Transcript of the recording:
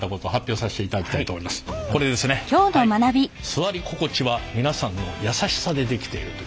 座り心地は皆さんのやさしさで出来ている！